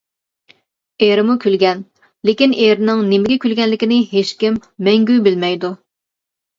ئېرىمۇ كۈلگەن، لېكىن ئېرىنىڭ نېمىگە كۈلگەنلىكىنى ھېچكىم مەڭگۈ بىلمەيدۇ.